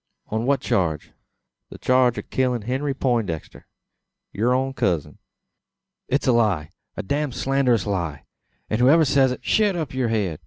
"On what charge?" "The churge o' killin' Henry Peintdexter yur own cousin." "It's a lie! A damned slanderous lie; and whoever says it !" "Shet up yur head!"